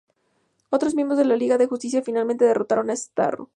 Otros miembros de la Liga de la Justicia finalmente derrotaron a Starro.